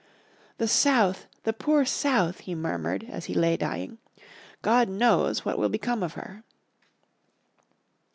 "The South! the poor South! he murmured, as he lay dying. "God knows what will become of her."